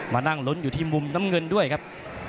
มานั่งลุ้นอยู่ที่มุมน้ำเงินด้วยครับ